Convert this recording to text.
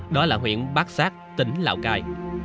đó là huyện bát sát tỉnh lào cai